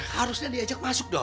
harusnya diajak masuk dong